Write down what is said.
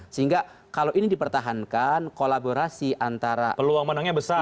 sehingga kalau ini dipertahankan kolaborasi antara peluang menangnya besar